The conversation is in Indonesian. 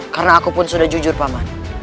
karena aku sudah jujur paman